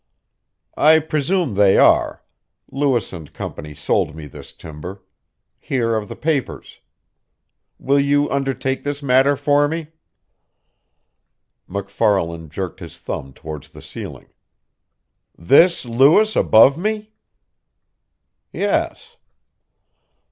"I presume they are. Lewis and Company sold me this timber. Here are the papers. Will you undertake this matter for me?" MacFarlan jerked his thumb towards the ceiling. "This Lewis above me?" "Yes."